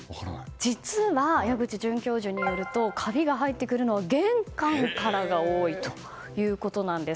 実は矢口准教授によるとカビが入ってくるのは玄関からが多いということです。